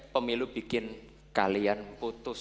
pemilu bikin kalian putus